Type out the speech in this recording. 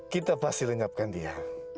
kita pasti lenyapkan dia